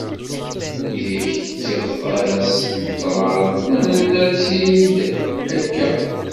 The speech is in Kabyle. Widak d tiɣtas n ṭṭraḍ, ma nenna-tt-id akka.